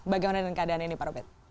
bagaimana dengan keadaan ini pak robert